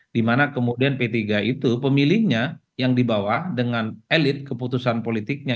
di mana kemudian p tiga itu pemilihnya yang dibawa dengan elit keputusan politiknya